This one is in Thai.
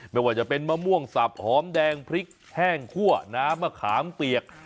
ไม่ว่าจะเป็นมะม่วงสับหอมแดงพริกแห้งคั่วน้ำมะขามเปียก